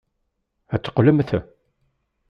Ad t-tleqqmemt?